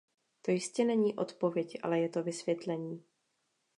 To jistě není odpověď, ale je to vysvětlení.